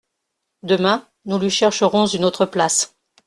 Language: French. Demain, nous lui chercherons une autre place.